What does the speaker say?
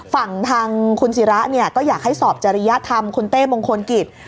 ฝั่งทางคุณศิระเนี่ยก็อยากให้สอบจริยธรรมคุณเต้มงคลกิจ